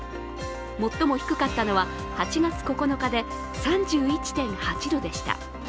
最も低かったのは８月９日で３１．８度でした。